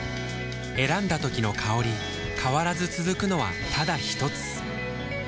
選んだ時の香り変わらず続くのはただひとつ？